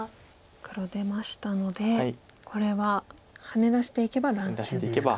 黒出ましたのでこれはハネ出していけば乱戦ですか。